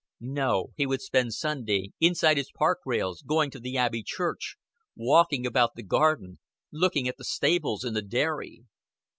No, he would spend Sunday inside his park rails, going to the Abbey church, walking about the garden, looking at the stables and the dairy.